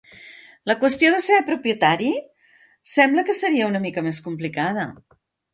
La qüestió de ser propietari sembla que seria una mica més complicada.